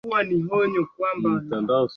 Ya viwanda pia mito na maziwa ya Uchina